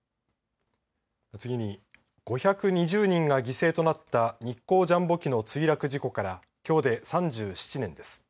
次に５２０人が犠牲となった日航ジャンボ機の墜落事故からきょうで３７年です。